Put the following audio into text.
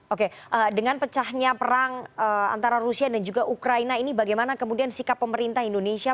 oke dengan pecahnya perang antara rusia dan juga ukraina ini bagaimana kemudian sikap pemerintah indonesia